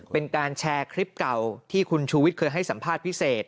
เป็นการแชร์คลิปเก่าที่คุณชูวิทย์เคยให้สัมภาษณ์พิเศษ